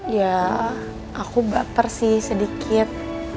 ya aku baper sih sedikit